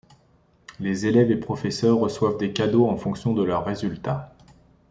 Les élèves et professeurs reçoivent des cadeaux en fonction de leurs résultats.